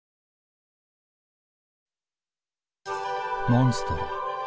モンストロ。